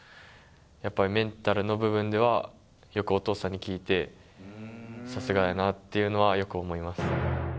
やっぱりメンタルの部分ではよくお父さんに聞いてさすがやなっていうのはよく思います